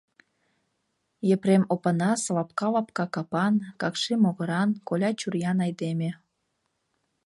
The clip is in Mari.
Епрем Опанас лапка-лапка капан, какши могыран, коля чуриян айдеме.